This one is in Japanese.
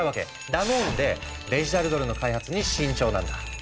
だもんでデジタルドルの開発に慎重なんだ。